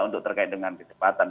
untuk terkait dengan kesempatan